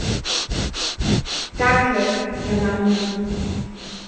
Danke, Herr Marin.